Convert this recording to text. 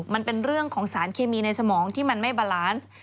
มันเป็นเรื่องของสารเคมีในสมองที่มันไม่บาลานซ์